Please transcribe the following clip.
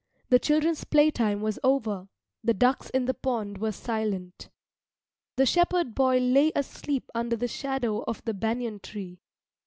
The children's playtime was over; the ducks in the pond were silent. The shepherd boy lay asleep under the shadow of the banyan tree.